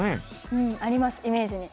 うんありますイメージに。